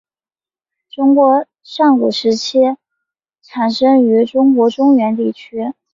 中国上古时期产生于中国中原地区。